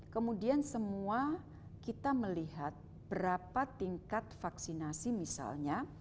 kemudian semua kita melihat berapa tingkat vaksinasi misalnya